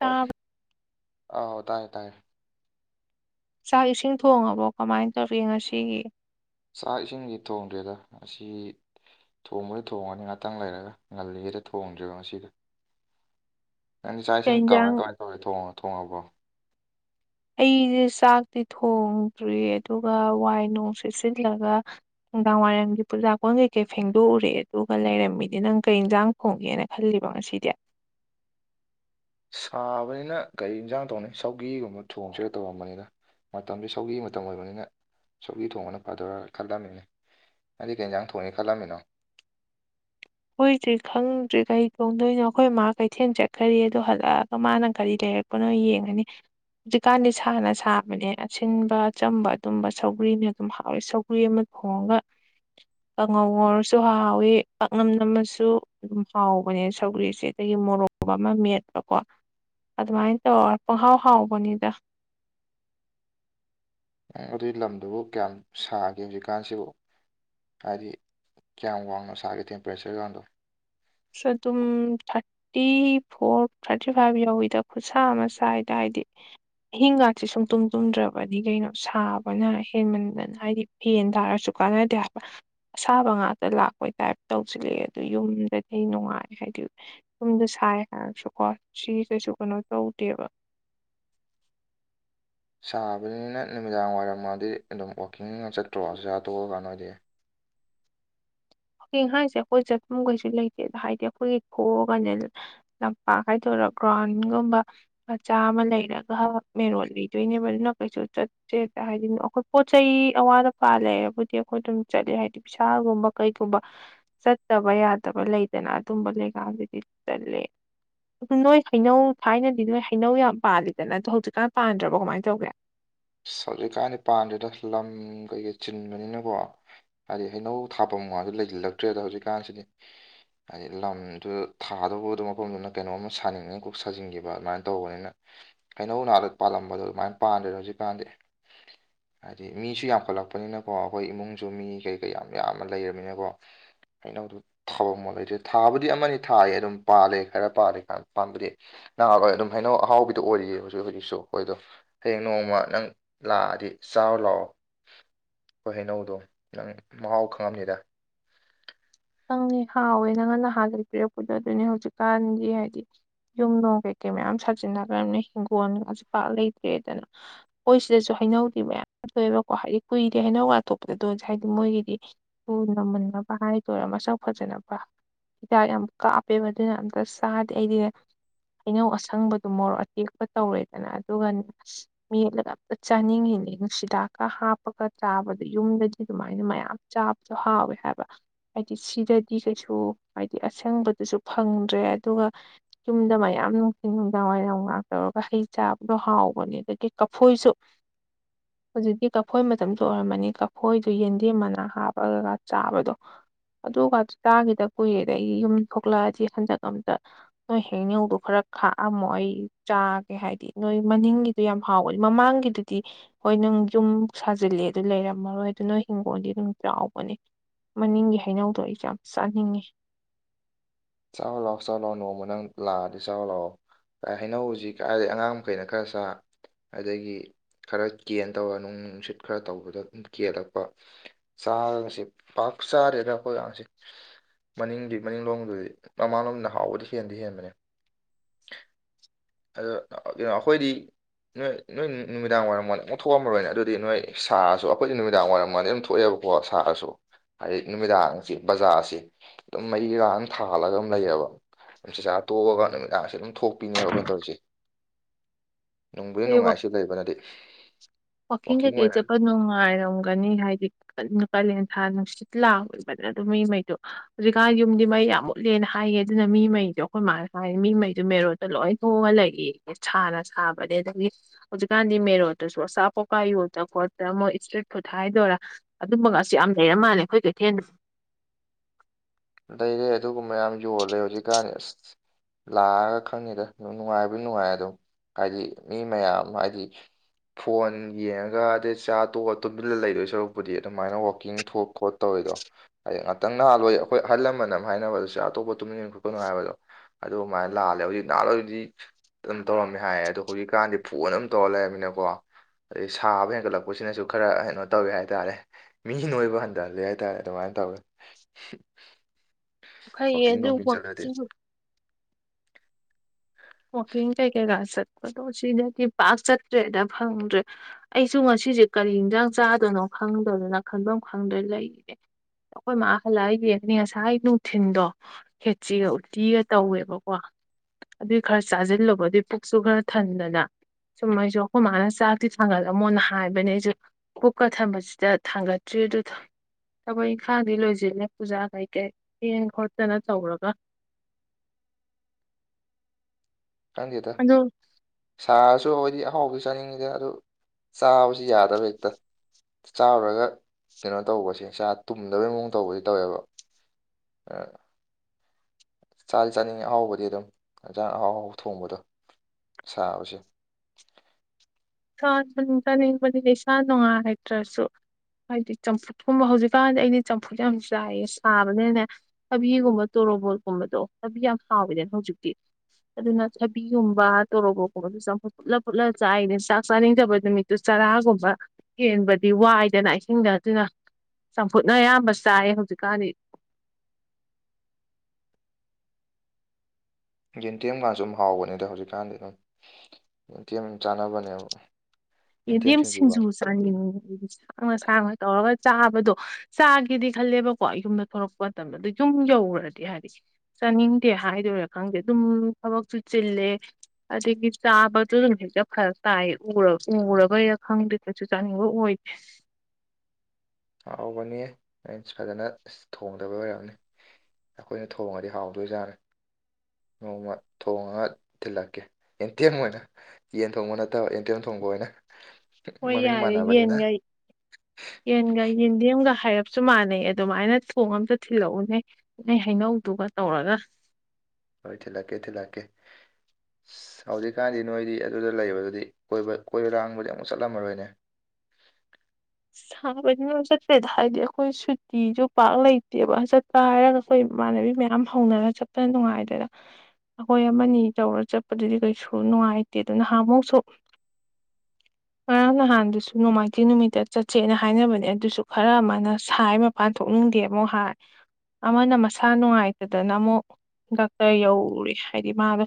hello ꯇꯥꯕ ꯑꯧ ꯇꯥꯏꯌꯦ ꯇꯥꯏꯌꯦ ꯆꯥꯛ ꯏꯁꯤꯡ ꯊꯣꯡꯉꯕꯣ ꯀꯃꯥꯏꯅ ꯇꯧꯔꯤꯒꯦ ꯉꯁꯤꯒꯤ ꯆꯥꯛ ꯏꯁꯤꯡꯒꯤ ꯊꯣꯡꯗꯦꯗ ꯑꯁꯤ ꯊꯣꯡꯕꯗ ꯊꯣꯡꯉꯅꯤ ꯉꯥꯛꯇꯪ ꯂꯩꯔꯒ ꯉꯜꯂꯤꯗ ꯊꯣꯡꯗ꯭ꯦꯔꯤꯕ ꯉꯁꯤꯒ ꯅꯪ ꯆꯥꯛ ꯀꯩ ꯏꯁꯤꯡ ꯀꯃꯥꯏ ꯏꯟꯖꯥꯡ ꯀꯃꯥꯏꯅ ꯇꯧꯔꯤ ꯊꯣꯡꯉꯣ ꯊꯣꯡꯉꯕꯣ ꯑꯩꯁꯦ ꯆꯥꯛꯇꯤ ꯊꯣꯡꯗ꯭ꯔꯤ ꯑꯗꯨꯒ ꯋꯥꯏ ꯅꯨꯡꯁꯤꯠꯆꯜꯂꯒ ꯅꯨꯡꯗꯥꯡ ꯋꯥꯏꯔꯝꯒꯤ ꯄꯨꯖꯥ ꯀꯣꯟ ꯀꯩꯀꯩ ꯐꯦꯡꯗꯣꯛꯎꯔꯦ ꯑꯗꯨꯒ ꯂꯩꯔꯝꯃꯤꯗꯤ ꯅꯪ ꯀꯩ ꯏꯟꯖꯥꯡ ꯊꯣꯡꯒꯦꯅ ꯈꯜꯂꯤꯕ ꯑ ꯁꯤꯔꯤꯌꯥ ꯁꯥꯕꯅꯤꯅ ꯀꯔꯤ ꯌꯦꯟꯁꯥꯡ ꯇꯧꯅꯤ ꯁꯧꯒꯤꯒꯨꯝꯕ ꯊꯣꯡꯁꯤꯒ ꯇꯧꯔꯝꯕꯅꯤꯅ ꯃꯇꯝꯗꯨ ꯁꯧꯒꯤ ꯃꯇꯝ ꯑꯣꯏꯕꯅꯤꯅ ꯁꯧꯤ ꯊꯣꯡꯉꯅ ꯐꯥꯊꯧꯔ ꯈꯜꯂꯝꯃꯤꯅꯦ ꯑꯗꯨ ꯀꯩ ꯌꯦꯟꯖꯥꯡ ꯊꯣꯡꯉꯦ ꯈꯜꯂꯝꯃꯤꯅꯣ [unintelligible] ꯍꯣꯏꯗ꯭ꯔꯤ ꯈꯪꯗ꯭ꯔꯤ ꯀꯩ ꯇꯣꯡꯗꯣꯏꯅꯣ ꯑꯩꯈꯣꯏ ꯃꯥ ꯀꯩꯊꯦꯜ ꯆꯠꯈꯔꯤ ꯑꯣ ꯍꯜꯂꯛꯑꯒ ꯃꯥꯅ ꯀꯔꯤ ꯂꯩꯔꯤ ꯌꯥ ꯀꯅꯣ ꯌꯦꯡꯉꯅꯤ ꯍꯧꯖꯤꯛꯀꯥꯟꯗꯤ ꯁꯥꯅ ꯁꯥꯕꯅꯦ ꯑꯁꯤꯟꯕ ꯑꯆꯝꯕ ꯑꯗꯨꯝꯕ ꯁꯧꯒ꯭ꯔꯤꯅ ꯑꯗꯨꯝ ꯍꯥꯎꯋꯤ ꯁꯧꯒ꯭ꯔꯤ ꯑꯃ ꯍꯣꯡꯒ ꯑꯉꯧꯉꯔꯁꯨ ꯍꯥꯎꯏꯤ ꯄꯥꯛꯅꯝꯅꯝ ꯑꯃꯁꯨ ꯑꯗꯨꯝ ꯍꯥꯎꯕꯅꯦ ꯁꯧꯒ꯭ꯔꯤꯁꯦ ꯑꯗꯒꯤ ꯃꯣꯔꯣꯕ ꯑꯃ ꯃꯦꯠꯄꯀꯣ ꯑꯗꯨꯃꯥꯏꯅ ꯇꯧꯔ ꯄꯣꯡꯍꯥꯎ ꯍꯥꯎꯕꯅꯤꯗ ꯅꯪ ꯑꯗꯨꯏ ꯂꯝꯗꯨꯕꯨ ꯀꯌꯥꯝ ꯁꯥꯒꯦ ꯍꯧꯖꯤꯛꯀꯥꯟꯁꯤꯕꯨ ꯍꯥꯏꯗꯤ ꯀꯌꯥꯝ ꯋꯥꯡꯅꯣ ꯁꯥꯒꯦ ꯇꯦꯝꯄꯔꯦꯆꯔꯀꯗꯣ ꯁꯨ ꯑꯗꯨꯝ ꯊꯥꯔꯇꯤ ꯐꯣꯔ ꯊꯥꯔꯇꯤ ꯐꯥꯏꯚ ꯌꯧꯋꯤꯗ ꯈꯨꯠꯁꯥ ꯑꯃ ꯆꯥꯏ ꯇ ꯍꯥꯏꯗꯤ ꯑꯍꯤꯡꯒꯥꯛꯁꯦ ꯁꯨꯝ ꯇꯨꯝ ꯇꯨꯝꯗ꯭ꯔꯕꯗꯤ ꯀꯩꯅꯣ ꯁꯥꯕꯅ ꯍꯦꯟꯃꯟꯗꯅ ꯍꯥꯏꯗꯤ ꯐꯦꯟ ꯇꯥꯔꯁꯨ ꯀꯥꯟꯅꯗꯤ ꯑꯁꯥꯕ ꯉꯥꯛꯇ ꯂꯥꯛꯄꯩ ꯇꯥꯏꯞ ꯇꯧꯁꯤꯜꯂꯛꯑꯦ ꯑꯗꯨ ꯌꯨꯝꯗ ꯑꯩ ꯅꯨꯡꯉꯥꯏ ꯍꯥꯏꯗꯤ ꯌꯨꯝꯗ ꯁꯥꯏ ꯍꯥꯏꯔꯁꯨꯀꯣ ꯁꯤ ꯀꯩꯁꯨ ꯀꯩꯅꯣ ꯇꯧꯗꯦꯕ [unintelligible] ꯆꯥꯕꯅꯤꯅ ꯅꯨꯃꯤꯗꯥꯡ ꯋꯥꯏꯔꯝꯃꯗꯤ ꯑꯗꯨꯝ ꯋꯥꯛꯀꯤꯡ ꯉꯥꯛ ꯆꯠꯇ꯭ꯔꯣ ꯆ ꯆꯥꯊꯣꯛꯑꯀꯥꯟꯗ ꯑꯣꯏꯗꯤ ꯍꯤꯡ ꯍꯥꯏꯁꯦ ꯑꯩꯈꯣꯏ ꯆꯠꯄ ꯀꯩꯁꯨ ꯂꯩꯇꯦꯗ ꯍꯥꯏꯗꯤ ꯑꯩꯈꯣꯏꯒꯤꯈꯣꯛꯑꯒꯅꯦ ꯂꯝꯄꯥꯛ ꯀꯥꯏꯗꯧꯔꯦ ꯒ꯭ꯔꯥꯎꯟꯒꯨꯝꯕ ꯃꯆꯥ ꯑꯃ ꯂꯩꯔꯒ ꯃꯦꯔꯣꯣꯟ ꯂꯤꯗꯣꯏꯅꯦꯕ ꯑꯗꯨꯅ ꯀꯩꯁꯨ ꯆꯠ ꯍꯥꯏꯗꯤ ꯑꯩꯈꯣꯏ ꯄꯣꯠ ꯆꯩ ꯑꯋꯥꯗ ꯄꯥꯂꯦꯔꯕꯨꯗꯤ ꯑꯩꯈꯣꯏ ꯑꯗꯨꯝ ꯆꯠꯂꯦ ꯍꯥꯏꯗꯤ ꯄꯥꯒꯨꯝꯕ ꯀꯩꯒꯨꯝꯕ ꯆꯠꯇꯕ ꯌꯥꯗꯕ ꯂꯩꯗꯅ ꯑꯗꯨꯝꯕ ꯂꯩꯀꯥꯗꯨꯗꯤ ꯆꯂꯦ ꯑꯗꯨ ꯅꯣꯏ ꯍꯩꯅꯧ ꯊꯥꯏꯅꯗꯤ ꯅꯣꯏ ꯍꯩꯅꯧ ꯌꯥꯝ ꯄꯥꯜꯂꯤꯗꯅ ꯑꯗꯣ ꯍꯧꯖꯤꯛꯀꯥꯟ ꯄꯥꯟꯗ꯭ꯔꯕꯣ ꯀꯃꯥꯏꯅ ꯇꯧꯒꯦ [unintelligible] ꯁꯖꯤꯛꯀꯥꯟꯗꯤ ꯄꯥꯟꯗ꯭ꯔꯦꯗ ꯂꯝ ꯀꯩꯀꯩ ꯆꯤꯟꯕꯅꯤꯅꯀꯣ ꯍꯥꯏꯗꯤ ꯍꯩꯅꯧ ꯊꯥꯄ ꯃꯥꯡꯗ ꯂꯩꯁꯤꯜꯂꯛꯇ꯭ꯔꯦꯗ ꯍꯧꯖꯤꯛꯀꯥꯟꯁꯤꯗꯤ ꯍꯥꯏꯗꯤ ꯂꯝꯗꯨ ꯊꯥꯗꯧꯕꯗ ꯃꯐꯝꯗꯨꯅ ꯀꯩꯅꯣꯝ ꯁꯥꯅꯤꯡꯉꯥꯏ ꯀꯣꯛ ꯁꯥꯖꯤꯟꯈꯤꯕ ꯑꯗꯨꯃꯥꯏꯅ ꯇꯧꯕꯅꯤꯅ ꯑꯩꯅꯧ ꯅꯥꯗꯛ ꯄꯥꯜꯂꯝꯕꯗꯣ ꯑꯗꯨꯃꯥꯏꯅ ꯄꯥꯟꯗ꯭ꯔꯗꯣ ꯍꯧꯖꯤꯛ ꯄꯥꯟꯗꯦ [unintelligible] ꯍꯥꯏꯗꯤ ꯃꯤꯁꯨ ꯌꯥꯝꯈꯠꯂꯛꯄꯅꯤꯅꯀꯣ ꯑꯩꯈꯣꯏ ꯏꯃꯨꯡꯁꯨ ꯃꯤ ꯀꯩꯀꯩ ꯌꯥꯝ ꯌꯥꯝ ꯑꯃ ꯂꯩꯔꯕꯃꯤꯅꯀꯣ ꯍꯩꯅꯧꯗ ꯊꯥꯕ ꯃꯨ ꯂꯩꯗ꯭ꯔꯦ ꯊꯥꯕꯨꯗꯤ ꯑꯃꯅꯤ ꯊꯥꯏ ꯑꯗꯨꯝ ꯄꯥꯜꯂꯦ ꯈꯔ ꯄꯥꯜꯂꯦ ꯀꯅ ꯄꯥꯝꯕꯗꯤ ꯅꯍꯥꯋꯥ ꯑꯗꯨꯝ ꯍꯥꯏꯩꯅꯧ ꯑꯍꯥꯎꯕꯤꯗꯣ ꯑꯣꯏꯔꯤꯌꯦ ꯍꯧꯖꯤꯛ ꯍꯧꯖꯤꯛꯁꯨ ꯍꯣꯏꯗꯣ ꯍꯌꯦꯡ ꯅꯣꯡꯃ ꯅꯪ ꯂꯥꯛꯑꯗꯤ ꯆꯥꯎ ꯂꯥꯛꯑꯣ ꯑꯩꯈꯣꯏ ꯍꯩꯅꯧꯗꯣ ꯅꯪ ꯃꯍꯥꯎ ꯈꯪꯉꯝꯅꯤꯗ ꯆꯪꯅꯤ ꯍꯥꯎꯋꯦ ꯅꯪ ꯉꯟꯅ ꯍꯥꯟꯒ ꯄꯤꯔꯛꯄꯗꯣ ꯑꯗꯨꯅꯦ ꯍꯧꯖꯤꯛꯀꯥꯟꯗꯤ ꯍꯥꯏꯗꯤ ꯌꯨꯝ ꯅꯣꯡ ꯀꯩꯀꯩ ꯃꯌꯥꯝ ꯁꯥꯖꯤꯟꯅꯈ꯭ꯔꯕꯅꯦ ꯍꯤꯡꯒꯣꯜ ꯑꯁꯨ ꯄ ꯂꯩꯇ꯭ꯔꯦꯗꯅ ꯑꯩꯈꯣꯏ ꯁꯤꯗꯁꯨ ꯍꯩꯅꯧꯗꯤ ꯃꯌꯥꯝ ꯊꯣꯛꯑꯕꯀꯣ ꯍꯥꯏꯗꯤ ꯀꯨꯏꯗꯦ ꯍꯩꯅꯧ ꯑꯇꯣꯞꯄꯗ ꯑꯗꯨꯔ ꯍꯥꯏꯗꯤ ꯃꯣꯏꯒꯤꯗꯤ ꯅꯝꯃꯟꯅꯕ ꯍꯥꯏ ꯇꯣꯏꯔ ꯃꯁꯛ ꯐꯖꯅꯕ ꯍꯤꯗꯥꯛ ꯌꯥꯝ ꯀꯥꯞꯄꯦꯕ ꯑꯗꯨꯅ ꯑꯝꯇ ꯆꯥꯗꯦ ꯑꯩꯗꯤꯅꯦ ꯍꯩꯅꯧ ꯑꯁꯪꯕꯗꯣ ꯃꯣꯔꯣꯛ ꯑꯇꯦꯛꯄ ꯇꯧꯔꯦꯗꯅ ꯑꯗꯨꯒ ꯃꯠꯂꯒ ꯑꯝꯇ ꯆꯥꯅꯤꯡꯉꯤ ꯍꯤꯗꯥꯛꯀ ꯍꯥꯞꯄꯒ ꯆꯥꯕꯗ ꯌꯨꯝꯗꯗꯤ ꯑꯗꯨꯃꯥꯏꯅ ꯃꯌꯥꯝ ꯆꯥꯕꯁꯨ ꯍꯥꯎꯋꯦ ꯍꯥꯏꯕ ꯍꯥꯏꯗꯤ ꯁꯤꯗꯗꯤ ꯀꯩꯁꯨ ꯍꯥꯏꯗꯤ ꯑꯁꯪꯕꯗꯨꯁꯨ ꯐꯪꯗ꯭ꯔꯦ ꯑꯗꯨꯒ ꯌꯨꯝꯗ ꯃꯌꯥꯝ ꯅꯨꯡꯊꯤꯟ ꯅꯨꯡꯗꯥꯡ ꯋꯥꯏꯔꯝ ꯉꯔꯥꯛ ꯇꯧꯔꯒ ꯍꯩ ꯆꯥꯕꯗꯣ ꯍꯥꯎꯕꯅꯦ ꯑꯗꯒꯤ ꯀꯐꯣꯏꯁꯨ ꯍꯧꯖꯤꯛꯇꯤ ꯀꯐꯣꯏ ꯃꯇꯝꯗꯨ ꯑꯣꯏꯔꯝꯃꯅꯤ ꯀꯐꯣꯏꯗꯨ ꯌꯦꯟꯗꯦꯝ ꯃꯅꯥ ꯍꯥꯞꯄꯒꯒ ꯆꯥꯕꯗꯣ ꯑꯗꯨꯒ ꯆꯥꯈꯤꯦꯗ ꯀꯨꯏꯔꯦꯗ ꯑꯩꯒꯤ ꯌꯨꯝ ꯊꯣꯛꯂꯛꯑꯗꯤ ꯍꯟꯗꯛ ꯑꯝꯇ ꯅꯣꯏ ꯍꯦꯛꯅꯤꯧꯗ ꯈꯔ ꯈꯥꯛꯑꯝꯃꯣ ꯑꯩ ꯆꯥꯒꯦ ꯍꯥꯏꯗꯤ ꯅꯣꯏ ꯃꯅꯤꯡꯒꯤꯗꯣ ꯌꯥꯝ ꯍꯥꯎꯋꯦ ꯃꯃꯥꯡꯒꯤꯗꯨꯗꯤ ꯍꯣꯏꯅ ꯌꯨꯝ ꯁꯥꯖꯤꯂꯦ ꯑꯗꯨ ꯂꯩꯔꯝꯃꯔꯣꯏ ꯑꯗꯨꯅ ꯍꯤꯡꯒꯣꯜꯗꯤ ꯑꯗꯨꯝ ꯆꯥꯎꯕꯅꯦ ꯃꯅꯤꯡꯒꯤ ꯀꯩꯅꯧꯗꯣ ꯑꯩꯁꯦ ꯌꯥꯝ ꯆꯥꯅꯤꯡꯉꯤ ꯆꯥꯎ ꯂꯥꯛꯑꯣ ꯆꯥꯎ ꯂꯑꯣ ꯅꯣꯡꯃ ꯅꯪ ꯂꯥꯛꯑꯗꯤ ꯆꯥꯎ ꯂꯛꯑꯣ ꯍꯩꯅꯧꯖꯤꯛ ꯍꯥꯏꯔꯗꯤ ꯑꯉꯥꯡ ꯃꯈꯩꯅ ꯈꯔ ꯁꯥ ꯑꯗꯒꯤ ꯈꯔ ꯀꯦꯅ ꯇꯧꯔꯒ ꯅꯨꯡ ꯅꯨꯡꯁꯤꯠ ꯈꯔ ꯇꯧꯕꯗ ꯀꯦꯜꯂꯛꯄ ꯆꯥꯔꯁꯤ ꯄꯥꯛ ꯆꯥꯔꯦꯗ ꯑꯩꯈꯣꯏꯒꯁꯤ ꯃꯅꯤꯡꯗꯤ ꯃꯅꯤꯡꯂꯣꯡꯗꯨꯗꯤ ꯃꯃꯥꯡꯣꯝꯗ ꯍꯥꯎꯕꯗ ꯍꯦꯟꯗꯤ ꯍꯦꯟꯕꯅꯦ ꯑꯣ ꯀꯩꯅꯣ ꯑꯩꯈꯣꯏꯗꯤ ꯅꯣꯏ ꯅꯣꯏ ꯅꯨꯃꯤꯗꯥꯡ ꯋꯥꯏꯝꯜꯗꯦ ꯑꯃꯨꯛ ꯊꯣꯛꯑꯝꯃꯔꯣꯏꯅꯦ ꯑꯗꯨꯗꯤ ꯅꯣꯏ ꯁꯥꯔꯁꯨ ꯑꯩꯈꯣꯏꯗꯤ ꯅꯨꯃꯤꯗꯥꯡ ꯋꯥꯏꯔꯝ ꯃꯜꯂꯗꯤ ꯑꯗꯨꯝ ꯊꯣꯛꯑꯦꯕ ꯀꯣ ꯆꯥ ꯑꯁꯨ ꯍꯥꯏꯗꯤ ꯅꯨꯃꯤꯗꯥꯡꯁꯤ ꯕꯖꯥꯔꯁꯤ ꯑꯗꯨꯝ ꯃꯩꯒꯥꯡ ꯊꯥꯜꯂꯒ ꯑꯃꯝ ꯂꯩꯌꯦꯕ ꯑꯗꯨ ꯆꯤꯆꯥꯥ ꯇꯣꯛꯑꯒ ꯅꯨꯃꯤꯗꯥꯡꯁꯦ ꯑꯗꯨꯝ ꯊꯣꯛꯄꯤꯅꯦꯕ ꯑꯩꯈꯣꯏꯅ ꯇꯧꯔꯤꯁꯦ ꯅꯨꯡꯕꯨꯒꯤ ꯅꯨꯡꯉꯥꯏꯁꯨ ꯂꯩꯕꯅꯗꯤ [unintelligible] ꯋꯥꯋꯥꯛꯀꯤꯡ ꯋꯥꯛꯀꯤꯡ ꯀꯩꯀꯩ ꯑꯣꯏꯅ ꯆꯠꯄ ꯅꯨꯡꯉꯥꯏꯔꯝꯒꯅꯤ ꯍꯥꯏꯗꯤ ꯀꯥꯂꯦꯟ ꯊꯥꯅ ꯂꯥꯛꯏꯕꯅ ꯑꯗꯨ ꯃꯤꯉꯩꯗꯣ ꯍꯧꯖꯤꯛꯀꯥꯟ ꯌꯨꯝꯗꯤ ꯃꯩ ꯌꯥꯝ ꯃꯨꯠꯂꯦꯅ ꯍꯥꯏꯌꯦ ꯑꯗꯨꯅ ꯃꯤꯉꯩꯗꯣ ꯑꯩꯈꯣꯏ ꯃꯥꯅ ꯍꯥꯏ ꯃꯤꯉꯩꯗꯨ ꯃꯦꯔꯣꯠꯇ ꯂꯣꯏ ꯊꯣꯡꯉ ꯂꯩꯏ ꯁꯥꯅ ꯁꯥꯕ ꯑꯗꯒꯤ ꯍꯧꯖꯤꯛꯀꯥꯟꯗꯤ ꯃꯦꯔꯣꯠꯇꯁꯨ ꯑꯆꯥꯄꯣꯀꯥ ꯌꯣꯠꯇ ꯈꯣꯠꯇ ꯃꯣꯏ ꯏꯁꯇ꯭ꯔꯤꯠ ꯐꯨꯗ ꯍꯥꯏꯗꯣꯏꯔꯥ ꯑꯗꯨꯝꯕ ꯉꯁꯤ ꯌꯥꯝ ꯂꯩꯔ ꯃꯥꯜꯂꯦ ꯑꯩꯈꯣꯏ ꯀꯩꯊꯦꯜꯗ ꯂꯩꯔꯦ ꯑꯗꯨꯒꯨꯝꯕ ꯌꯥꯝ ꯌꯣꯜꯂꯦ ꯍꯧꯖꯤꯛꯀꯥꯟꯅꯤ ꯑꯁ ꯂꯥꯛꯑꯒ ꯈꯪꯉꯦꯗ ꯅꯨꯡꯉꯥꯏꯕ ꯅꯨꯡꯉꯥꯏ ꯑꯗꯨꯝ ꯍꯥꯏꯗꯤ ꯃꯤ ꯃꯌꯥꯝ ꯍꯥꯏꯗꯤ ꯐꯣꯟ ꯌꯦꯡꯉꯒ ꯑꯗꯩ ꯆꯥꯇꯣ ꯑꯇꯣ ꯂꯩꯗꯣꯏ ꯁꯔꯨꯛꯄꯗꯤ ꯑꯗꯨꯃꯥꯏꯅ ꯋꯥꯛꯀꯤꯡ ꯊꯣꯛ ꯈꯣꯠ ꯇꯧꯏ ꯗꯣ ꯍꯌꯦꯡ ꯉꯍꯥꯛꯇꯪ ꯅꯍꯥꯟꯜꯋꯥꯣꯏ ꯍꯣꯏ ꯑꯍꯜꯃꯟ ꯑꯃ ꯍꯥꯏꯅꯕꯗꯁꯨ ꯑꯇꯣꯞꯄ ꯇꯨꯝꯁꯤꯟꯨ ꯈꯣꯠꯀꯅꯨ ꯍꯥꯏꯕꯗꯣ ꯑꯗꯨ ꯑꯗꯨꯃꯥꯏꯅ ꯂꯥꯜꯂꯦ ꯍꯧꯖꯤꯛ ꯅꯍꯥꯟꯋꯥꯏꯔꯗꯤ ꯑꯗꯨꯝ ꯇꯧꯔꯝꯃꯤ ꯍꯥꯏꯌꯦ ꯑꯗꯣ ꯍꯧꯖꯤꯛꯀꯥꯟꯗꯤ ꯐꯣꯟ ꯑꯗꯨꯝ ꯇꯧꯔ ꯂꯩꯔꯃꯤꯅꯀꯣ ꯑꯗꯩ ꯁꯥꯕ ꯍꯦꯟꯒꯠꯂꯛꯄꯁꯤꯅꯁꯨ ꯈꯔ ꯀꯩꯅꯣ ꯇꯧꯋꯦ ꯍꯥꯏꯇꯥꯔꯦ ꯃꯤ ꯅꯣꯏꯕ ꯍꯟꯊꯍꯜꯂꯤ ꯍꯥꯏꯇꯥꯔꯦ ꯑꯗꯨꯃꯥꯏꯅ ꯇꯦ ꯐꯩꯌꯦ ꯑꯗꯨ ꯆꯠꯂꯗꯤ ꯋꯥꯀꯤ ꯀꯥꯏ ꯀꯩꯒꯥꯁ ꯑꯗꯣ ꯁꯤꯗꯗꯤ ꯄꯥꯛ ꯆꯠꯇ꯭ꯔꯦꯗ ꯐꯪꯗ꯭ꯔꯦ ꯑꯩꯁꯨ ꯉꯁꯤꯁꯦ ꯀꯔꯤ ꯌꯦꯟꯖꯥꯡ ꯆꯥꯗꯣꯏꯅꯣ ꯈꯪꯗꯗꯅ ꯈꯟꯐꯝ ꯈꯪꯗꯅ ꯂꯩꯔꯦ ꯑꯩꯈꯣꯏ ꯃꯥ ꯍꯜꯂꯛꯏ ꯌꯦꯅꯤ ꯉꯁꯥꯏ ꯅꯨꯡꯊꯤꯟꯗꯣ ꯈꯦꯠꯆꯒ ꯎꯇꯤꯒ ꯇꯧꯋꯦꯕꯀꯣ ꯑꯗꯨꯏ ꯈꯔ ꯆꯥꯁꯤꯜꯂꯣꯕ ꯑꯗꯨꯏ ꯄꯨꯛꯁꯨ ꯈꯔ ꯊꯟꯗꯅ ꯁꯨꯝ ꯑꯩꯁꯨ ꯑꯩꯈꯣꯏ ꯃꯥꯅ ꯆꯥꯛꯇꯤ ꯊꯥꯡꯒꯠꯂꯝꯃꯣꯅ ꯍꯥꯏꯕꯅꯦ ꯑꯩꯁꯨ ꯀꯨꯞꯀ ꯊꯝꯕꯁꯤꯗ ꯊꯥꯡꯒꯠꯇ꯭ꯔꯤ ꯗꯗ ꯊꯕꯛ ꯏꯪꯈꯥꯡꯗꯤ ꯂꯣꯏꯁꯤꯜꯂꯦ ꯄꯨꯖꯥ ꯀꯩ ꯀꯩ ꯍꯦꯟ ꯈꯣꯠꯇꯅ ꯇꯧꯔꯒ [unintelligible] ꯀꯗꯗ ꯑꯗꯣ ꯁꯥꯁꯨꯗꯤ ꯍꯥꯎꯗꯤ ꯆꯥꯅꯤꯡꯉꯤꯗꯦ ꯑꯗꯨ ꯆꯥꯕꯁꯨ ꯌꯥꯗꯕ ꯍꯦꯛꯇ ꯆꯥꯔꯒ ꯀꯩꯅꯣ ꯇꯧꯕꯁꯦ ꯇꯨꯝꯗꯕꯩ ꯃꯑꯣꯡ ꯇꯧꯕꯁꯦ ꯇꯧꯋꯦꯕ ꯑ ꯆꯥꯂꯤ ꯆꯥꯅꯤꯡꯉꯤ ꯑꯍꯥꯎꯕꯗꯤ ꯑꯗꯨꯝ ꯌꯦꯟꯖꯥꯡ ꯑꯍꯥꯎ ꯑꯍꯥꯎ ꯊꯣꯡꯕꯗꯣ ꯁꯥꯥꯎꯁꯦ ꯇ ꯅꯤꯡꯕꯗꯤ ꯂꯩꯁꯥ ꯅꯨꯡꯉꯥꯏ ꯍꯥꯏꯇ꯭ꯔꯁꯨ ꯍꯥꯏꯗꯤ ꯆꯝꯐꯨꯠꯀꯨꯝꯕ ꯍꯧꯖꯤꯛꯀꯥꯟꯗꯤ ꯑꯩꯅ ꯆꯝꯐꯨꯠ ꯌꯥꯝ ꯆꯥꯏꯌꯦ ꯆ ꯁꯥꯕꯅꯤꯅꯦ ꯀꯕꯤꯒꯨꯝꯕ ꯇꯨꯔ ꯄ꯭ꯔꯣꯕꯣꯜꯒꯨꯝꯕꯗꯣ ꯂꯝꯕꯤ ꯌꯥꯝ ꯍꯥꯎꯋꯤꯗꯅ ꯍꯧꯖꯤꯛꯇꯤ ꯑꯗꯨꯅ ꯆꯕꯤꯒꯨꯝꯕ ꯇꯣꯔꯛꯄ ꯈꯣꯠꯄꯗꯨꯁꯨ ꯆꯠꯂ ꯄꯨꯠꯂ ꯆꯥꯏꯅꯦ ꯆꯥꯛ ꯆꯥꯅꯤꯡꯗꯕ ꯅꯨꯃꯤꯠꯇꯨ ꯆꯔꯥꯒꯨꯝꯕ ꯍꯦꯟꯕꯗꯤ ꯋꯥꯏꯗꯅ ꯏꯁꯤꯡꯗ ꯑꯗꯨꯅ ꯆꯝꯐꯨꯠꯅ ꯑꯌꯥꯝꯕ ꯆꯥꯏ ꯍꯧꯖꯤꯛꯀꯥꯟꯗꯤ ꯌꯦꯟꯇꯦꯝ ꯀꯥꯟꯁꯨ ꯑꯗꯨꯝ ꯍꯥꯎꯕꯅꯤꯗ ꯍꯧꯖꯤꯛꯀꯥꯟꯗꯤ ꯑꯗꯨꯝ ꯌꯦꯟꯇꯦꯝ ꯑꯗꯨ ꯆꯥꯅꯕꯅꯦꯕ ꯌꯦꯟꯗꯦꯝ ꯁꯤꯡꯖꯨ ꯆꯥꯡꯅꯤꯡ ꯁꯥꯡꯅ ꯁꯥꯡꯅ ꯇꯧꯔꯒ ꯆꯥꯕꯗꯣ ꯆꯥꯒꯦꯗꯤ ꯈꯜꯂꯦꯕꯀꯣ ꯌꯨꯝꯗ ꯊꯣꯔꯛꯄ ꯃꯇꯝꯗ ꯌꯨꯝ ꯌꯧꯔꯗꯤ ꯍꯥꯏꯗꯤ ꯆꯥꯅꯤꯡꯗꯦ ꯍꯥꯏꯗꯣꯏꯔꯥ ꯈꯪꯗꯦ ꯑꯗꯨꯝ ꯊꯕꯛꯁꯨꯨ ꯆꯤꯜꯂꯦ ꯑꯗꯒꯤ ꯆꯥꯕꯗꯨ ꯅꯨꯡꯊꯤꯟꯗ ꯐꯔꯛ ꯇꯥꯏ ꯎꯔꯒ ꯎꯔꯕꯩꯔ ꯈꯪꯗꯦ ꯀꯩꯁꯨ ꯆꯥꯅꯤꯡꯕ ꯑꯣꯏ ꯍꯥꯎꯕꯅꯤꯍꯦ ꯑꯩꯅ ꯐꯖꯅ ꯊꯣꯡꯗꯕ ꯑꯣꯏꯔꯝꯅꯤ ꯑꯩꯈꯣꯏꯅ ꯊꯣꯡꯉꯗꯤ ꯍꯥꯎꯗꯣꯏꯖꯥꯠꯅꯤ ꯅꯣꯡꯃ ꯊꯣꯡꯉꯒ ꯊꯤꯜꯂꯛꯀꯦ ꯌꯦꯟꯊꯦꯝ ꯑꯣꯏꯅ ꯌꯦꯟ ꯊꯣꯡꯕ ꯅꯠꯇꯕ ꯌꯦꯟꯊꯦꯝ ꯊꯣꯡ ꯒꯣꯏꯅ ꯍꯣꯏ ꯌꯥꯔꯦ ꯌꯦꯟꯒꯩ ꯌꯦꯟꯒꯩ ꯌꯦꯟꯗꯦꯝꯒ ꯍꯥꯏꯔꯞꯁꯨ ꯃꯥꯟꯅꯩ ꯑꯗꯨꯃꯥꯏꯅ ꯊꯣꯡ ꯑꯇ ꯊꯤꯜꯂꯛꯎꯅꯦ ꯅꯣꯏ ꯍꯩꯅꯧꯗꯨꯒ ꯇꯧꯔꯒ ꯑꯟꯑꯣꯗꯤꯕꯜ ꯍꯣꯏ ꯊꯤꯜꯂꯛꯀꯦ ꯊꯤꯜꯂꯛꯀꯦ ꯁ ꯍꯧꯖꯤꯛꯀꯥꯟꯗꯤ ꯅꯣꯏꯗꯤ ꯑꯗꯨꯗ ꯂꯩꯕꯗꯨꯗꯤꯕ ꯀꯣꯏꯕ ꯀꯣꯏꯕ ꯂꯥꯡꯕꯗꯤ ꯑꯃꯨꯛ ꯆꯠꯂꯝꯃꯔꯣꯏꯅꯦ ꯑꯟꯑꯣꯗꯤꯕꯜ ꯁꯥꯕꯅꯤꯅ ꯆꯠꯇ꯭ꯔꯦꯗ ꯍꯥꯏꯗꯤ ꯑꯩꯈꯣꯏ ꯁꯨꯇꯤꯁꯨ ꯄꯥꯛ ꯂꯩꯇꯦꯕ ꯆꯠꯄ ꯍꯥꯏꯔꯒ ꯑꯩꯈꯣꯏ ꯏꯃꯥꯟꯅꯕꯤ ꯃꯌꯥꯝ ꯍꯧꯅꯔ ꯆꯞꯄꯅ ꯅꯨꯡꯉꯥꯏꯗꯅ ꯑꯩꯈꯣꯏ ꯑꯃꯅꯤ ꯇꯧꯔ ꯆꯠꯄꯗꯨꯗꯤ ꯀꯩꯁꯨ ꯅꯨꯡꯉꯥꯏꯇꯦ ꯑꯗꯨ ꯅꯍꯥꯟ ꯑꯃꯨꯛꯁꯨ ꯉꯔꯥꯡ ꯅꯍꯥꯟꯗꯁꯨ ꯅꯣꯡꯃꯥꯏꯖ ꯅꯨꯃꯤꯠꯇ ꯆꯠꯁꯦꯅ ꯍꯥꯏꯅꯕꯅꯦ ꯑꯗꯨꯁꯨ ꯈꯔ ꯑꯃꯅ ꯁꯥꯏ ꯃꯄꯥꯟ ꯊꯣꯛꯅꯤꯡꯗꯦ ꯑꯃꯨꯛ ꯍꯥꯏ ꯑꯃꯅ ꯃꯁꯥ ꯅꯨꯡꯉꯥꯏꯇꯗꯅ ꯑꯃꯨꯛ ꯗꯥꯛꯇꯔ ꯌꯧꯔꯤ ꯍꯥꯏꯗꯤ ꯃꯥꯗꯣ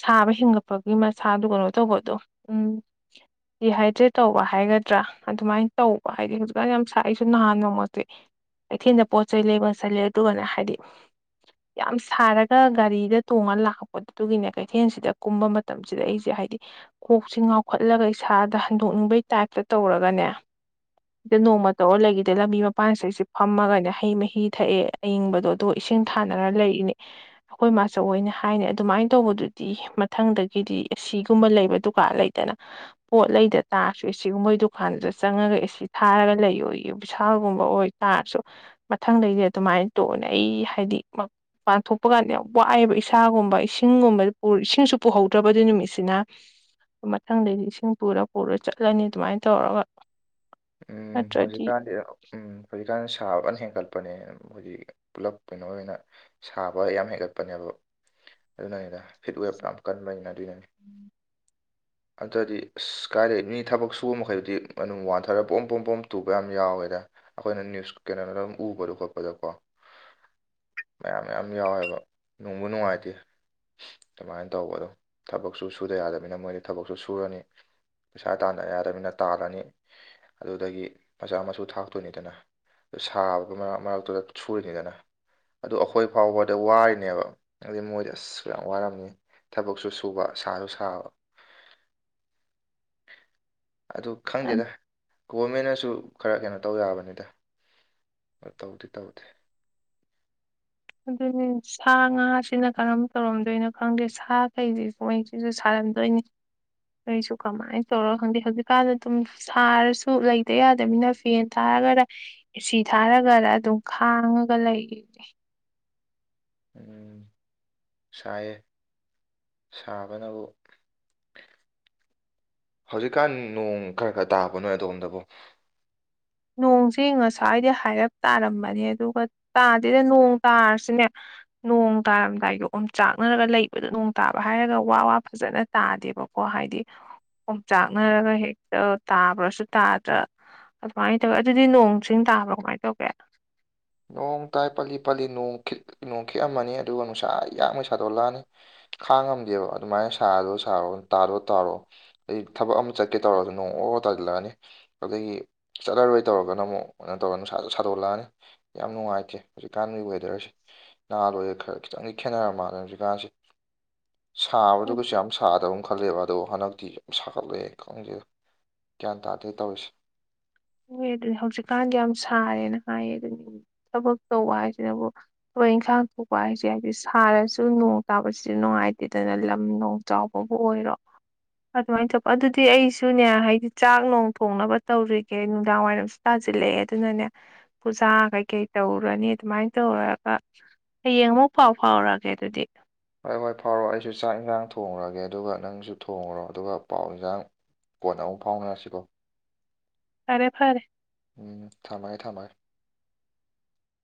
ꯁꯥꯕ ꯍꯤꯡꯉꯠꯄꯒꯤ ꯃꯁꯥꯗꯨ ꯀꯩꯅꯣ ꯇꯧꯕꯗꯣ ꯎꯝ ꯔꯤꯍꯥꯏꯗ꯭ꯔꯦꯠ ꯇꯧꯕ ꯍꯥꯏꯒꯗ꯭ꯔꯥ ꯑꯗꯨꯃꯥꯏꯅ ꯇꯧꯕ ꯍꯥꯏꯗꯤ ꯍꯧꯖꯤꯛꯀꯥꯟ ꯌꯥꯝ ꯁꯥꯏ ꯑꯩꯍꯁꯨ ꯅꯍꯥꯟꯅꯣꯡ ꯃꯁꯦ ꯀꯩꯊꯦꯜꯗ ꯄꯣꯠ ꯆꯩ ꯂꯩ ꯃꯣꯠ ꯆꯠꯂꯦ ꯑꯗꯨꯒꯅ ꯍꯥꯏꯗꯤ ꯌꯥꯝ ꯁꯥꯔꯒ ꯒꯥꯔꯤꯗ ꯇꯣꯡꯉ ꯂꯥꯛꯄꯄꯗ ꯑꯗꯨꯒꯤꯅꯦ ꯀꯩꯊꯦꯜꯁꯤꯗ ꯀꯨꯝꯕ ꯃꯇꯝꯁꯤꯗ ꯑꯩꯁꯦ ꯍꯥꯏ ꯍꯥꯏꯕꯗꯤ ꯀꯣꯛꯁꯤ ꯉꯥꯎꯈꯠꯂꯒ ꯏꯁꯥꯗ ꯍꯟꯗꯣꯛꯅꯤꯡꯕꯒꯤ ꯇꯥꯏꯞꯇ ꯇꯧꯔꯒꯅꯦ ꯁꯤꯗ ꯅꯣꯡꯃ ꯇꯧꯔꯒ ꯂꯩꯈꯤꯗ ꯂꯝꯕꯤ ꯃꯄꯥꯟꯁꯤ ꯑꯩꯁꯤ ꯐꯝꯃꯒꯅꯦ ꯍꯩ ꯃꯍꯤ ꯊꯛꯑꯦ ꯑꯌꯤꯡꯕꯗꯣ ꯑꯣ ꯏꯁꯤꯡ ꯁꯥꯟꯅꯔ ꯂꯩꯔꯤꯅꯦ ꯑꯩꯈꯣꯏ ꯃꯥꯆ ꯑꯣꯏꯅ ꯍꯥꯏꯅꯤ ꯑꯗꯨꯃꯥꯏꯅ ꯇꯧꯕꯗꯨꯗꯤ ꯃꯊꯪꯗꯒꯤꯗꯤ ꯑꯁꯤ ꯁꯤꯒꯨꯝꯕ ꯂꯩꯕ ꯗꯨꯀꯥꯟ ꯂꯩꯗꯅ ꯄꯣꯠ ꯂꯩꯗ ꯇꯥꯔꯁꯨꯏ ꯁꯤꯒꯨꯝꯕ ꯗꯨꯀꯥꯟꯗꯨꯗ ꯆꯪꯉꯒ ꯑꯦꯁꯤ ꯊꯥꯔꯒ ꯂꯩꯌꯣꯌꯦ ꯕꯤꯁꯥꯜꯒꯨꯝꯕ ꯑꯣꯏꯇꯥꯔꯁꯨ ꯃꯊꯪꯗꯩꯗꯤ ꯑꯗꯨꯃꯥꯏꯅ ꯇꯣꯛ ꯑꯩ ꯍꯥꯏꯗꯤ ꯄꯥꯡꯊꯣꯛꯄ ꯀꯥꯟꯗ ꯌꯥꯝ ꯋꯥꯏꯑꯦꯕ ꯏꯁꯥꯒꯨꯝꯕ ꯏꯁꯤꯡꯒꯨꯝꯕ ꯏꯁꯤꯡꯁꯨ ꯄꯨꯍꯧꯗ꯭ꯔꯕꯗ ꯅꯨꯃꯤꯠꯁꯤꯅ ꯃꯊꯪꯗꯩꯗꯤ ꯏꯁꯤꯡ ꯄꯨꯔꯒ ꯄꯨꯔ ꯆꯠꯂꯅꯤ ꯑꯗꯨꯃꯥꯏꯅ ꯇꯧꯔꯒ ꯎꯝ ꯅꯠꯇ꯭ꯔꯗꯤ ꯍꯧꯖꯤꯛꯀꯥꯟꯗꯤ ꯎꯝ ꯍꯧꯖꯤꯛꯀꯥꯟ ꯁꯥꯕꯅ ꯍꯦꯟꯒꯠꯄꯅꯦ ꯈꯣꯏꯗꯤ ꯄꯨꯂꯞ ꯀꯩꯅꯣ ꯑꯣꯏꯅ ꯁꯥꯕ ꯌꯥꯝ ꯍꯦꯟꯒꯠꯄꯅꯦꯕ ꯑꯗꯨꯅꯅꯤꯗ ꯐꯤꯠꯋꯦꯞ ꯌꯥꯝ ꯀꯟꯕꯅꯤꯅ ꯑꯗꯨꯅꯅꯤ ꯑꯗꯨꯗꯤ ꯑꯁ ꯀꯥꯏꯗꯩ ꯃꯤ ꯊꯕꯛ ꯁꯨꯕ ꯃꯈꯩꯗꯨꯗꯤ ꯑꯗꯨꯝ ꯋꯥꯊ ꯈꯔ ꯄꯣꯝ ꯄꯣꯝ ꯄꯣꯝ ꯇꯨꯕ ꯌꯥꯝ ꯌꯥꯎꯋꯦꯗ ꯑꯩꯈꯣꯏꯅ ꯅ꯭ꯌꯨꯁ ꯀꯩꯅꯣꯗ ꯑꯗꯨꯝ ꯎꯕꯗꯣ ꯈꯣꯠꯄꯗꯀꯣ ꯑꯟꯑꯣꯗꯤꯕꯜ ꯃꯌꯥꯝ ꯃꯌꯥꯝ ꯌꯥꯎꯋꯦꯕ ꯅꯨꯡꯕꯨ ꯅꯨꯡꯉꯥꯏꯇꯦ ꯑꯗꯨꯃꯥꯏꯅ ꯇꯧꯕ ꯑꯗꯣ ꯊꯕꯛꯁꯨ ꯁꯨꯗ ꯌꯥꯗꯕꯅꯤꯅ ꯃꯣꯏꯗꯤ ꯊꯕꯛꯁꯨ ꯁꯨꯔꯅꯤ ꯄꯩꯁꯥ ꯇꯥꯟꯗ ꯌꯥꯗꯅꯤꯅ ꯇꯥꯜꯂꯅꯤ ꯑꯗꯨꯗꯒꯤ ꯃꯆꯥ ꯃꯁꯨ ꯊꯥꯛꯇꯣꯏꯅꯤꯗꯅ ꯑꯗꯨ ꯁꯥꯕ ꯃꯔꯛ ꯃꯔꯛꯇꯨꯗ ꯁꯨꯔꯤꯅꯤꯗꯅ ꯑꯗꯨ ꯑꯩꯈꯣꯏ ꯐꯥꯎꯕꯗ ꯋꯥꯔꯤꯅꯦꯕ ꯑꯗꯨꯗꯤ ꯃꯣꯏꯗꯤ ꯑꯁ ꯌꯥꯝ ꯋꯥꯔꯝꯅꯤ ꯊꯕꯛꯁꯨ ꯁꯨꯕ ꯁꯥꯁꯨ ꯁꯥꯕ ꯑꯟꯑꯣꯗꯤꯕꯜ ꯑꯗꯨ ꯈꯪꯗꯦꯗ ꯒꯣꯚꯃꯦꯟꯅꯁꯨ ꯈꯔ ꯀꯩꯅꯣ ꯇꯧ ꯌꯥꯕꯅꯤꯗ ꯑ ꯇꯧꯗꯤ ꯇꯧꯗꯦ ꯑꯗꯨꯅꯤ ꯁꯥ ꯉꯥꯁꯤꯅ ꯀꯔꯝ ꯇꯧꯔꯝꯗꯣꯏꯅꯣ ꯈꯪꯗꯦ ꯁꯥꯈꯩꯁꯤ ꯁꯩꯁꯤꯁꯨ ꯁꯥ ꯗꯅꯤ ꯑꯩꯁꯨ ꯀꯃꯥꯏꯅ ꯇꯧꯔꯣ ꯈꯪꯗꯦ ꯍꯧꯖꯤꯛꯀꯥꯟꯗ ꯑꯗꯨꯝ ꯁꯥꯔꯁꯨ ꯂꯩꯇ ꯌꯥꯗꯅꯤꯅ ꯐꯦꯟ ꯊꯥꯔ ꯊꯥꯔꯒꯔ ꯁꯤ ꯊꯥꯔꯒꯔ ꯑꯗꯨꯝ ꯈꯥꯡꯉꯒ ꯂꯩꯅꯦ ꯎꯝ ꯁꯑꯌꯦꯦ ꯁꯥꯕꯅꯕꯨ ꯍꯧꯖꯤꯛꯀꯥꯟ ꯅꯣꯡ ꯈꯔ ꯈꯔ ꯇꯥꯕꯅꯣꯏ ꯑꯗꯣꯝꯗꯕꯨꯣ ꯅꯣꯡꯁꯤꯦ ꯉꯁꯋꯥꯥꯏꯗꯤ ꯍꯥꯏꯔꯞ ꯇꯥꯔꯝꯕꯅꯦ ꯑꯗꯨꯒ ꯇꯥꯗꯦꯗ ꯅꯣꯡ ꯇꯥꯔꯁꯤꯅꯦ ꯅꯣꯡ ꯇꯥꯔꯝꯗꯥꯏꯗꯣ ꯑꯗꯨꯝ ꯆꯥꯛꯅꯔꯒ ꯂꯩꯕꯗ ꯅꯣꯡ ꯇꯥꯕ ꯍꯥꯏꯔꯒ ꯋꯥ ꯋꯥ ꯐꯖꯅ ꯇꯥꯗꯦꯕꯀ ꯀꯣ ꯍꯥꯏꯗꯤ ꯈꯣꯡꯆꯥꯛꯅꯔꯒ ꯍꯦꯛꯇ ꯇꯥꯕ꯭ꯔꯁꯨ ꯇꯥꯗ꯭ꯔꯥ ꯀꯃꯥꯏꯅ ꯇꯧꯋꯦ ꯑꯗꯨꯗꯤ ꯅꯣꯡ ꯆꯤꯡ ꯇꯥꯕ꯭ꯔꯣ ꯀꯃꯥꯏꯅ ꯇꯧꯒꯦ ꯅꯣꯡ ꯇꯥꯏ ꯄꯜꯂꯤ ꯄꯜꯂꯤ ꯅꯣꯡ ꯈꯤꯠꯂꯤ ꯅꯣꯡ ꯈꯤꯠꯑꯝꯃꯅꯤ ꯑꯗꯨꯒ ꯅꯨꯡꯁꯥ ꯌꯥꯡꯅꯩ ꯁꯥꯗꯣꯛꯂꯛꯑꯅꯤ ꯈꯥꯡꯉꯝꯗꯦꯕ ꯑꯗꯨꯃꯥꯏꯅ ꯁꯥꯔꯗꯣ ꯁꯥꯔꯣ ꯇꯥꯗꯣ ꯇꯥꯔꯣ ꯑꯩ ꯊꯕꯛ ꯑꯃ ꯆꯠꯀꯦ ꯇꯧꯔꯁꯨ ꯅꯣꯡꯔ ꯄꯣꯛ ꯇꯥꯁꯤꯜꯂꯛꯑꯅꯤ ꯑꯗꯨꯗꯒꯤ ꯆꯠꯂꯔꯣꯏ ꯇꯧꯔꯒꯅ ꯑꯃꯨꯛ ꯀꯩꯅꯣ ꯇꯧꯔ ꯅꯨꯡ ꯁꯥꯗꯣꯛꯂꯛꯑꯅꯤ ꯌꯥꯝ ꯅꯨꯡꯉꯥꯏꯇꯦ ꯍꯧꯖꯤꯛꯀꯥꯟꯒꯤ ꯋꯦꯗꯔꯁꯦ ꯅꯍꯥꯟꯜꯣꯏꯔ ꯈꯔ ꯈꯤꯇꯪꯗꯤ ꯈꯦꯠꯅꯔꯝ ꯃꯥꯜꯂꯦ ꯍꯧꯖꯤꯛꯀꯥꯟꯁꯤꯦ [inaudible] ꯁꯥꯕꯗꯨꯒꯁꯨ ꯌꯥꯝ ꯁꯥꯗꯧꯅꯤ ꯈꯜꯂꯦꯕ ꯑꯗꯣ ꯍꯟꯗꯛꯇꯤ ꯌꯥꯝ ꯁꯥꯒꯠꯂꯛꯦ ꯈꯪꯗꯦ ꯒ꯭ꯌꯥꯟ ꯇꯥꯗꯦ ꯇꯧꯔꯤꯁꯦ ꯍ ꯑꯗꯨꯅꯤ ꯍꯧꯖꯤꯛꯀꯥꯟꯗꯤ ꯌꯥꯝ ꯁꯥꯔꯦꯅ ꯍꯥꯏꯌꯦ ꯑꯗꯨꯅꯤ ꯊꯕꯛ ꯇꯧꯕ ꯍꯥꯏꯁꯤꯅꯕꯨ ꯊꯣꯏ ꯏꯟꯈꯥꯡ ꯊꯣꯛꯄ ꯍꯥꯏꯁꯦ ꯍꯥꯏꯕꯗꯤ ꯁꯥꯔꯁꯨ ꯅꯣꯡ ꯇꯥꯕꯁꯤꯗꯤ ꯅꯨꯡꯉꯥꯏꯇꯦꯗꯅ ꯂꯝ ꯅꯣꯡ ꯆꯥꯎꯕꯕꯨ ꯑꯣꯏꯔꯣ ꯑꯗꯨꯃꯥꯏꯅ ꯇꯧꯕ ꯑꯗꯨꯗꯤ ꯑꯩꯁꯨꯅꯦ ꯍꯥꯏꯗꯤ ꯆꯥꯛ ꯅꯣꯡ ꯊꯣꯡꯅꯕ ꯇꯧꯔꯤ ꯀ ꯅꯨꯡꯗꯥꯡ ꯋꯥꯏꯔꯝꯁꯨ ꯇꯥꯁꯤꯜꯂꯛꯑꯦ ꯑꯗꯨꯅꯅꯦ ꯄꯨꯖꯥ ꯀꯩꯀꯩ ꯇꯧꯔꯅꯤ ꯑꯗꯨꯃꯥꯏꯅ ꯇꯧꯔꯒ ꯍꯌꯦꯡ ꯑꯃꯨꯛ ꯐꯥꯎ ꯐꯥꯎꯔꯛꯑꯒꯦ ꯑꯗꯨꯗꯤ ꯍꯣꯏ ꯍꯣꯏ ꯐꯥꯎꯔꯣ ꯑꯩꯁꯨ ꯆꯥꯛ ꯏꯟꯁꯥꯡ ꯊꯣꯡꯈꯨꯔꯒꯦ ꯑꯗꯨꯒ ꯅꯪꯁꯨ ꯊꯣꯡꯉꯨꯔꯣ ꯑꯗꯨꯒ ꯄꯥꯎ ꯏꯟꯁꯥꯡ ꯀꯣꯟꯅ ꯑꯃꯨꯛ ꯐꯥꯎꯅꯔꯁꯤꯀꯣ ꯐꯔꯦ ꯐꯔꯦ ꯎꯝ ꯊꯝꯃꯥꯏ ꯊꯝꯃꯥꯏ